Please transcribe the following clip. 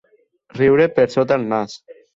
Riure per sota el nas.